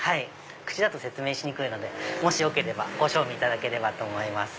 口だと説明しにくいのでよければご賞味いただければと思います。